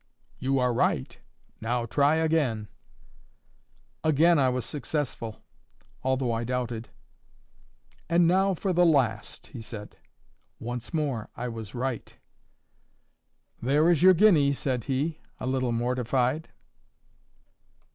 "You are right. Now try again." Again I was successful, although I doubted. "And now for the last," he said. Once more I was right. "There is your guinea," said he, a little mortified.